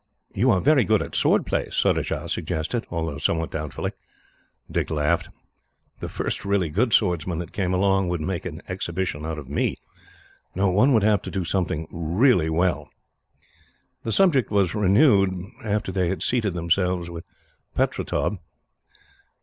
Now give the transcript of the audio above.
"You are very good at sword play," Surajah suggested, although somewhat doubtfully. Dick laughed. "The first really good swordsman that came along would make an exhibition of me. No; one would have to do something really well." The subject was renewed, after they had seated themselves with Pertaub.